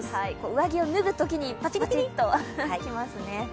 上着を脱ぐときにパチパチッときますね。